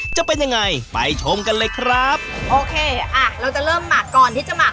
จะเป็นยังไงไปชมกันเลยครับโอเคอ่ะเราจะเริ่มหมักก่อนที่จะหมัก